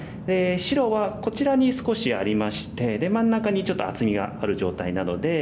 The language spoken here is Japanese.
白はこちらに少しありましてで真ん中にちょっと厚みがある状態なので。